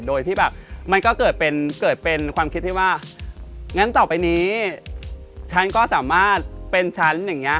โดยที่แบบมันก็เกิดเป็นเกิดเป็นความคิดที่ว่างั้นต่อไปนี้ฉันก็สามารถเป็นฉันอย่างนี้